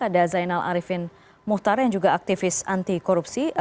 ada zainal arifin muhtar yang juga aktivis anti korupsi